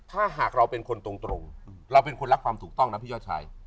ถ้าหากเราเป็นคนตรงเราเป็นคนรักความถูกต้องนะพี่ยอดชาย